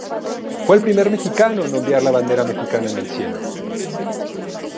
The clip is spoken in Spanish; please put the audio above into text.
Fue el primer mexicano en ondear la bandera mexicana en el cielo.